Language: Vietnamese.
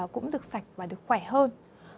cũng được sạch và được khỏe hơn